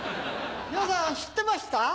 皆さん知ってました？